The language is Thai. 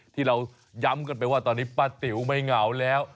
ที่เราย้ำกันไปว่าตอนนี้ป้าติ๋วไม่เหงาแล้ว